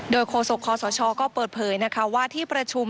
โดยโฆษกคอสชก็เปิดเผยนะคะว่าที่ประชุม